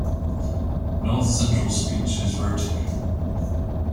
North Central speech is rhotic.